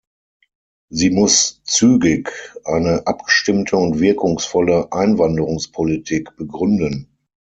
Sie muss zügig eine abgestimmte und wirkungsvolle Einwanderungspolitik begründen.